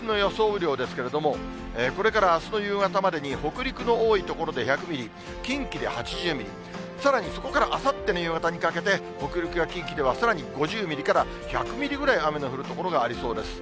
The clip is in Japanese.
雨量ですけれども、これからあすの夕方までに、北陸の多い所で１００ミリ、近畿で８０ミリ、さらにそこからあさっての夕方にかけて、北陸や近畿ではさらに５０ミリから１００ミリぐらい、雨の降る所がありそうです。